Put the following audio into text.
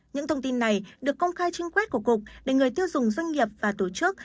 những thông tin này được công khai trinh quét của cục để người tiêu dùng doanh nghiệp và tổ chức